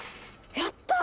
やった！